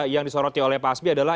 tadi yang disorotin oleh pak asbi adalah